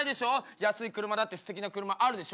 安い車だってすてきな車あるでしょ。